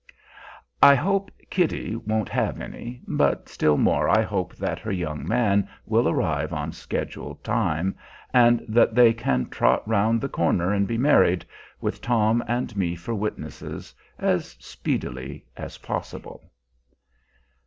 I hope "Kitty" won't have any; but still more I hope that her young man will arrive on schedule time, and that they can trot round the corner and be married, with Tom and me for witnesses, as speedily as possible.